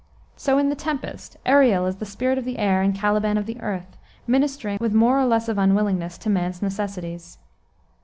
So in the Tempest, Ariel is the spirit of the air and Caliban of the earth, ministering, with more or less of unwillingness, to man's necessities.